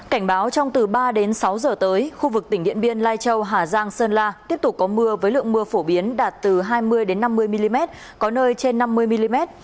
cảnh báo trong từ ba đến sáu giờ tới khu vực tỉnh điện biên lai châu hà giang sơn la tiếp tục có mưa với lượng mưa phổ biến đạt từ hai mươi năm mươi mm có nơi trên năm mươi mm